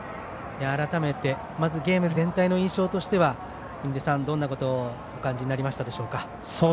まずゲーム全体の印象として印出さん、どんなことをお感じになりましたでしょうか。